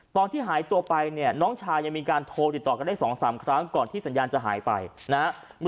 ตอนที่หายตัวไปเนี่ยน้องชายยังมีการโทรติดต่อกันได้๒๓ครั้งก่อนที่สัญญาณจะหายไปนะครับ